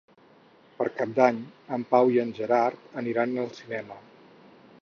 Per Cap d'Any en Pau i en Gerard aniran al cinema.